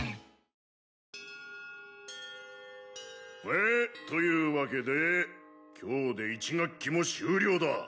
えというわけで今日で１学期も終了だ。